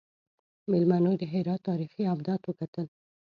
میلمنو د هرات تاریخي ابدات وکتل.